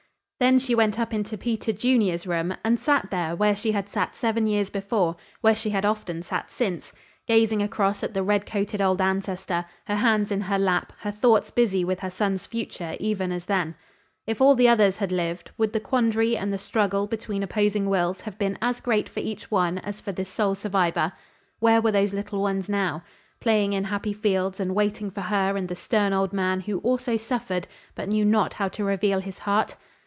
Then she went up into Peter Junior's room and sat there where she had sat seven years before where she had often sat since gazing across at the red coated old ancestor, her hands in her lap, her thoughts busy with her son's future even as then. If all the others had lived, would the quandary and the struggle between opposing wills have been as great for each one as for this sole survivor? Where were those little ones now? Playing in happy fields and waiting for her and the stern old man who also suffered, but knew not how to reveal his heart?